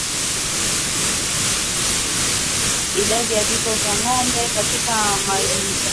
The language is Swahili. Idadi ya vifo kwa ngombe walioambukizwa ugonjwa wa ndigana kali